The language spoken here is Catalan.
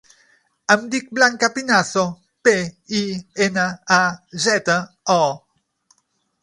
Em dic Blanca Pinazo: pe, i, ena, a, zeta, o.